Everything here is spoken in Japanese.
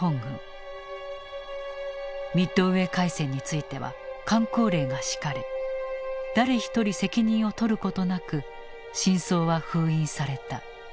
ミッドウェー海戦については箝口令が敷かれ誰一人責任を取ることなく真相は封印された。